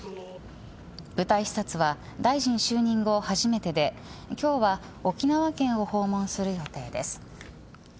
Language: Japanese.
部隊視察は大臣就任後初めてで今日は沖縄県を訪問する予定です。